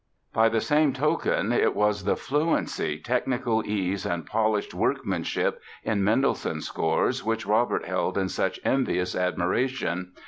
By the same token it was the fluency, technical ease and polished workmanship in Mendelssohn's scores which Robert held in such envious admiration.